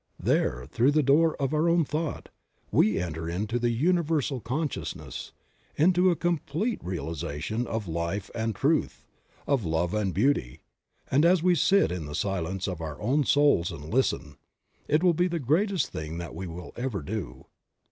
There, through the door of our own thought, we enter into the Universal Conscious ness, into a complete realization of life and truth, of love and beauty; and as we sit in the silence of our own souls and listen, it will be the greatest thing that we will ever do.